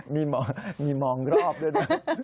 มีมองรอบเลย